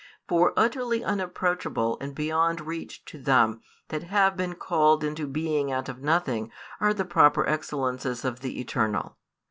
For utterly unapproachable and beyond reach to them that have been called into being out of nothing are the proper excellences of the Eternal.